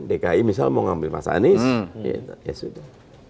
dki misal mau ngambil mas anies ya sudah